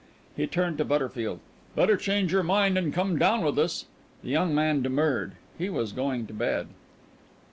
He turned to Butterfield. "Better change your mind and come down with us." The young man demurred. He was going to bed.